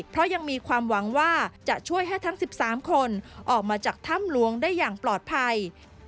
เพราะยังมีความหวังว่าจะช่วยให้ทั้ง๑๓คนออกมาจากถ้ำหลวงได้อย่างปลอดภัย